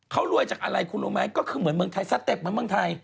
เขารวยจากอะไรคุณรู้ไหมก็คือเหมือนเมืองไทยสเต็ปเหมือนเมืองไทย